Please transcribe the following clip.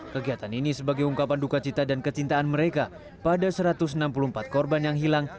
kegiatan ini sebagai ungkapan duka cita dan kecintaan mereka pada satu ratus enam puluh empat korban yang hilang